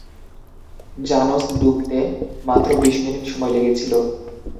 "জানুস" ডুবতে মাত্র বিশ মিনিট সময় লেগেছিল।